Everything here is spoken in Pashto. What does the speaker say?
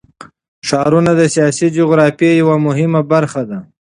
ښارونه د سیاسي جغرافیه یوه مهمه برخه ده.